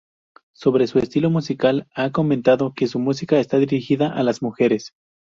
Sobre su estilo musical, ha comentado que su música está dirigida a las mujeres.